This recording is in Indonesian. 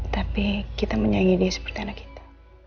tapi kita menyangi dia seperti anak kita